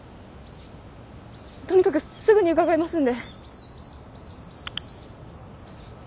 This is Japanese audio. とにかくすぐに伺いますんで。